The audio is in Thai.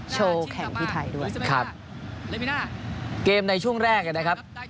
โชว์แข่งที่ไทยด้วยครับเกมในช่วงแรกนะครับ